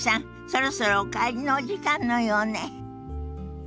そろそろお帰りのお時間のようね。